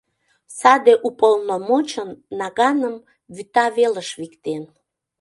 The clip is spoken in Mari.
Саде уполномочын наганым вӱта велыш виктен.